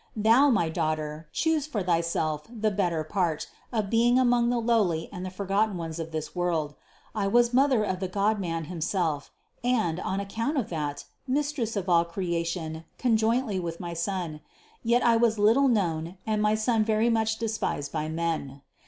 Thou, my daughter, choose for thyself the better part of being among the lowly and the forgotten ones of this world. I was Mother of the Godman himself, and, on that account, Mistress of all creation conjointly with my Son: yet I was little known and my Son very much despised by men.